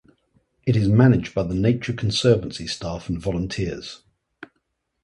It is managed by The Nature Conservancy staff and volunteers.